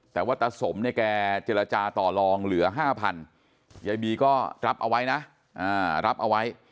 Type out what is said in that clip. แต่ว่าตาสมเนี่ยแกเจรจาต่อลองเหลือ๕๐๐ยายบีก็รับเอาไว้นะรับเอาไว้